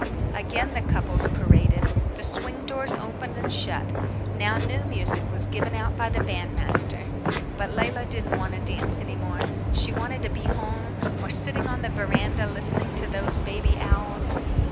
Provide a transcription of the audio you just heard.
Again the couples paraded. The swing doors opened and shut. Now new music was given out by the bandmaster. But Leila didn't want to dance any more. She wanted to be home, or sitting on the veranda listening to those baby owls.